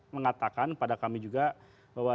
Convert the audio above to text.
mengatakan pada kami juga bahwa